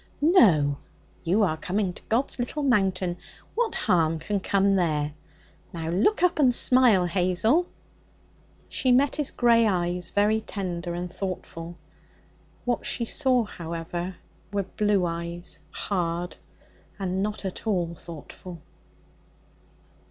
'No. You are coming to God's Little Mountain. What harm can come there? Now look up and smile, Hazel.' She met his grey eyes, very tender and thoughtful. What she saw, however, were blue eyes, hard, and not at all thoughtful.